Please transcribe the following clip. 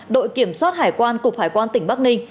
đội kiểm soát hải quan cục hải quan tỉnh bắc ninh